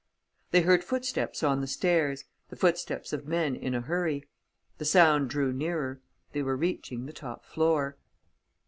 They heard footsteps on the stairs, the footsteps of men in a hurry. The sound drew nearer. They were reaching the top floor.